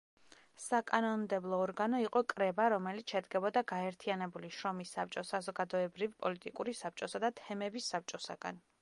საკანონმდებლო ორგანო იყო კრება, რომელიც შედგებოდა გაერთიანებული შრომის საბჭოს, საზოგადოებრივ-პოლიტიკური საბჭოსა და თემების საბჭოსაგან.